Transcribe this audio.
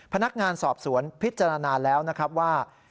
พนักงานสอบสวนพิจารณาแล้วนะครับว่า